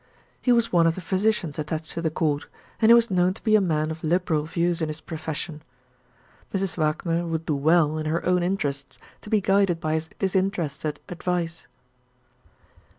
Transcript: He was one of the physicians attached to the Court, and he was known to be a man of liberal views in his profession. Mrs. Wagner would do well, in her own interests, to be guided by his disinterested advice.